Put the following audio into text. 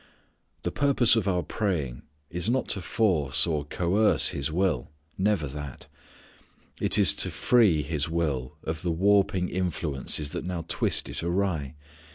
The purpose of our praying is not to force or coerce his will; never that. It is to free his will of the warping influences that now twist it awry.